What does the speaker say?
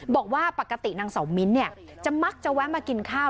บอกว่าปกตินางเสามิ้นจะมักจะแวะมากินข้าว